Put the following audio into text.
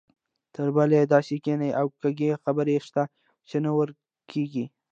تربله یې داسې کینې او کږې خبرې شته چې نه ورکېږي.